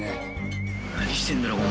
何してるんだろう？